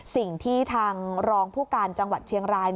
สิ่งที่ทางรองผู้การจังหวัดเชียงราย